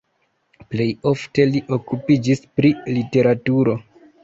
Plej ofte li okupiĝis pri literaturo.